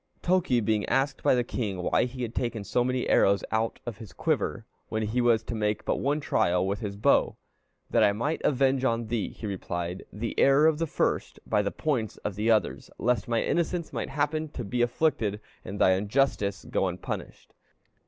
Toki being asked by the king why he had taken so many more arrows out of his quiver, when he was to make but one trial with his bow, 'That I might avenge on thee,' he replied, 'the error of the first, by the points of the others, lest my innocence might happen to be afflicted, and thy injustice go unpunished.'"